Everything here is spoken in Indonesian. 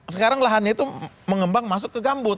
sekarang lahannya itu mengembang masuk ke gambut